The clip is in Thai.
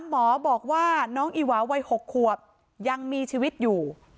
หมอบอกว่าน้องอีหวาวัย๖ขวบยังมีชีวิตอยู่